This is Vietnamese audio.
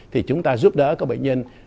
thì chúng ta giúp đỡ các bệnh nhân